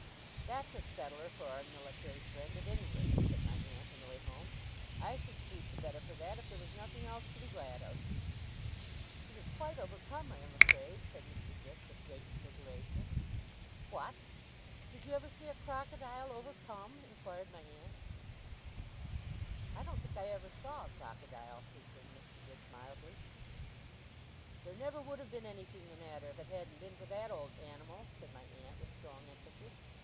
'That's a settler for our military friend, at any rate,' said my aunt, on the way home. 'I should sleep the better for that, if there was nothing else to be glad of!' 'She was quite overcome, I am afraid,' said Mr. Dick, with great commiseration. 'What! Did you ever see a crocodile overcome?' inquired my aunt. 'I don't think I ever saw a crocodile,' returned Mr. Dick, mildly. 'There never would have been anything the matter, if it hadn't been for that old Animal,' said my aunt, with strong emphasis.